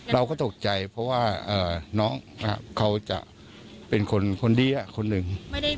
เราก็ตกใจเพราะว่าน้องเขาจะเป็นคนดีคนหนึ่ง